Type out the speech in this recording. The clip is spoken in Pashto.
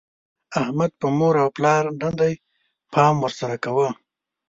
احمد په مور او پلار نه دی؛ پام ور سره کوه.